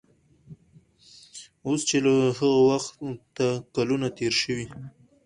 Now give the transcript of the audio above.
اوس چې له هغه وخته کلونه تېر شوي